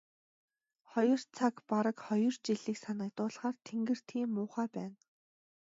Хоёр цаг бараг хоёр жилийг санагдуулахаар тэнгэр тийм муухай байна.